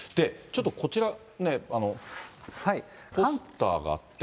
ちょっとこちら、ポスターがあって。